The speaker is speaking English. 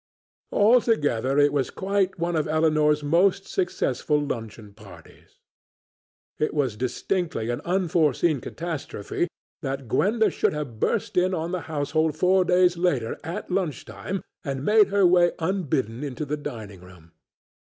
Altogether it was quite one of Elinor's most successful luncheon parties. It was distinctly an unforeseen catastrophe that Gwenda should have burst in on the household four days later at lunch time and made her way unbidden into the dining room.